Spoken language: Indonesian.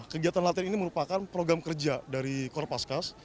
kegiatan latihan ini merupakan program kerja dari kor paskas